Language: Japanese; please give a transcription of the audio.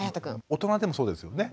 大人でもそうですよね？